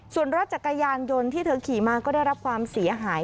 ส่วนรถจักรยานยนต์ที่เธอขี่มาก็ได้รับความเสียหาย